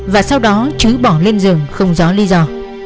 và sau đó chứ bỏ lên rừng không rõ lý do